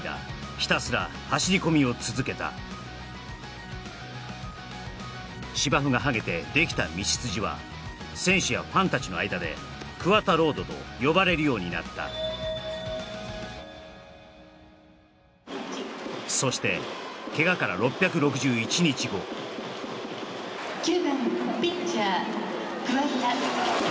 ひたすら走り込みを続けた芝生が剥げてできた道筋は選手やファン達の間で桑田ロードと呼ばれるようになったそして９番ピッチャー